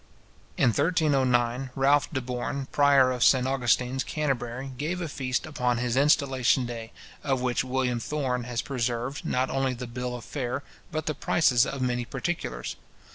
In 1309, Ralph de Born, prior of St Augustine's, Canterbury, gave a feast upon his installation day, of which William Thorn has preserved, not only the bill of fare, but the prices of many particulars.